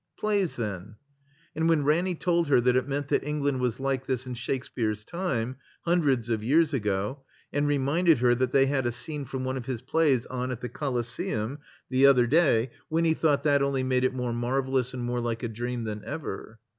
*'Plays then." And when Ranny told her that it meant that England was Uke this in Shakespeare's time, htmdreds of years ago, and reminded her that they had a scene from one of bis plays on at the Coliseum the other 3S9 THE COMBINED MAZE day, Winny thought that only made it more marvel ous and more Uke a dream than ever.